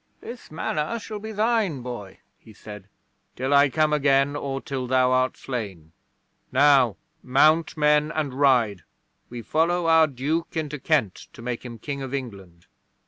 This Manor shall be thine, boy," he said, "till I come again, or till thou art slain. Now, mount, men, and ride. We follow our Duke into Kent to make him King of England."